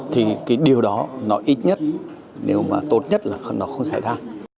thì cái điều đó nó ít nhất nếu mà tốt nhất là nó không xảy ra